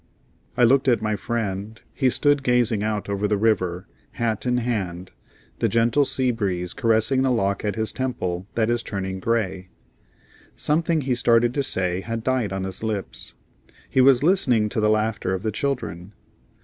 I looked at my friend. He stood gazing out over the river, hat in hand, the gentle sea breeze caressing the lock at his temple that is turning gray. Something he started to say had died on his lips. He was listening to the laughter of the children.